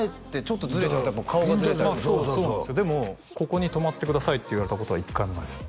「ここに止まってください」って言われたことは一回もないです